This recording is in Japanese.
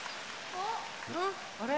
あれ？